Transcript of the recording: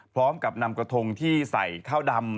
พร้อมกับนำกระทงที่ใส่ข้าวดำ